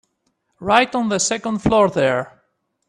Right on the second floor there.